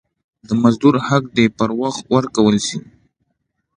د مزدور حق دي پر وخت ورکول سي.